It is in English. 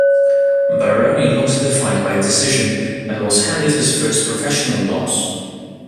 Baroni lost the fight by decision, and was handed his first professional loss.